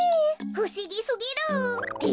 ふしぎすぎる！って